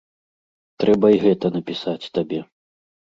Трэба і гэта напісаць табе.